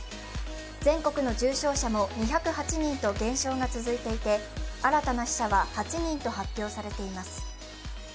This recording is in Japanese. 全国の重症者も２０８人と減少が続いていて新たな死者は８人と発表されています。